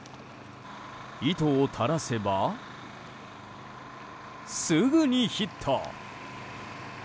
糸を垂らせば、すぐにヒット！